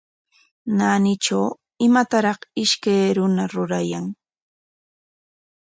Naanitraw imataraq ishkay runa ruraykaayan.